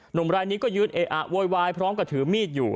หนุ่มรายนี้ก็ยืนเออะโวยวายพร้อมกับถือมีดอยู่